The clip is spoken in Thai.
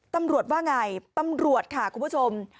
ตำรวจว่าไงตำรวจค่ะคุณผู้ชม